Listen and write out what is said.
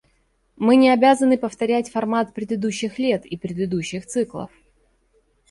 Мы не обязаны повторять формат предыдущих лет и предыдущих циклов.